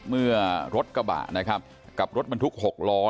เมื่อรถกระบะนะครับกับรถบรรทุก๖ล้อ